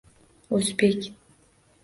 Oʻzbek